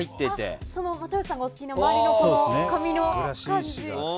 又吉さんがお好きな周りの紙の感じが。